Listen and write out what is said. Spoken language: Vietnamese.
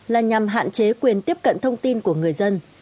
là nhằm hạn chế quyền tiếp cận thông tin của người dân